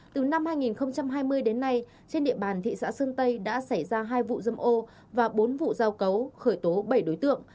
từ năm hai nghìn hai mươi đến nay trên địa bàn thị xã sơn tây đã xảy ra hai vụ dâm ô và bốn vụ giao cấu khởi tố bảy đối tượng